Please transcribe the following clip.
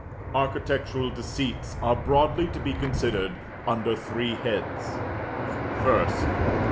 Architectural Deceits are broadly to be considered under three heads: 1st.